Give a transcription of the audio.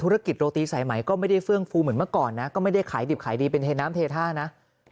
โรตีสายไหมก็ไม่ได้เฟื่องฟูเหมือนเมื่อก่อนนะก็ไม่ได้ขายดิบขายดีเป็นเทน้ำเทท่านะ